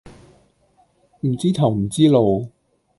唔知頭唔知路